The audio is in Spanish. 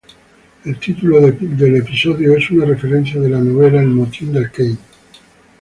El título del episodio es una referencia de la novela "El motín del Caine".